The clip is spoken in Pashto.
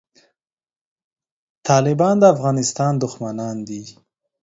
طالبان د افغانستان دښمنان دي